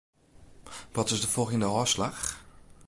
Wat is de folgjende ôfslach?